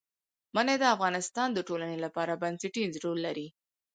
منی د افغانستان د ټولنې لپاره بنسټيز رول لري.